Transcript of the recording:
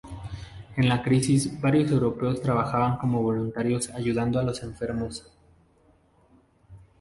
En la crisis, varios europeos trabajaban como voluntarios ayudando a los enfermos.